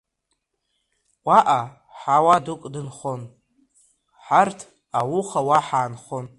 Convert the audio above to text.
Уаҟа ҳауадук дынхон, ҳарҭ ауха уа ҳаанхон.